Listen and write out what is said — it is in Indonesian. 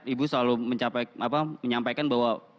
ibu selalu menyampaikan bahwa